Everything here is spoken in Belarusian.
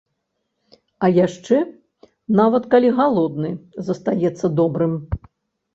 А яшчэ, нават калі галодны, застаецца добрым.